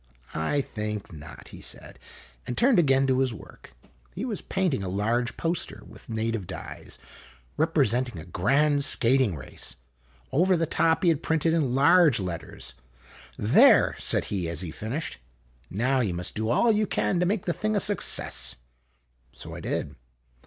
" I think not," he said, and turned again to his work. He was painting a large poster, with native dyes, representing a grand skating race. Over the top he had printed in large letters : THE TONGALOO TOURNAMENT ! "There!" said he, as he finished. " Now you must do all you can to make the thing a success !" So I did.